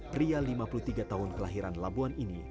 pria lima puluh tiga tahun kelahiran labuan ini